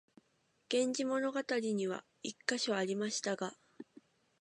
「源氏物語」には一カ所ありましたが、